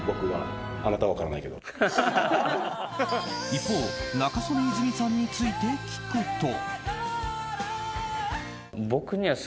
一方、仲宗根泉さんについて聞くと。